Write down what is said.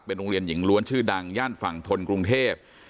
โรงเรียนหญิงล้วนชื่อดังย่านฝั่งทนกรุงเทพ